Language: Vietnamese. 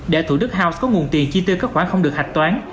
để thủ đức house có nguồn tiền chi tiêu các khoản không được hạch toán